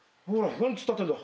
何突っ立ってんだ？